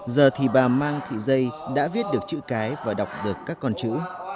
giờ thì bà mang thị dây đã viết được chữ cái và đọc được các con chữ